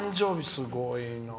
すごいな。